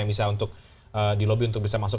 yang bisa untuk di lobby untuk bisa masuk